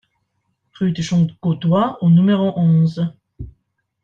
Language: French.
Rue du Champ Gaudois au numéro onze